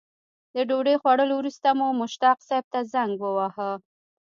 د ډوډۍ خوړلو وروسته مو مشتاق صیب ته زنګ وواهه.